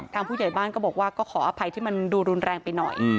ผู้ใหญ่บ้านก็บอกว่าก็ขออภัยที่มันดูรุนแรงไปหน่อย